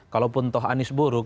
kalaupun toh anis buruk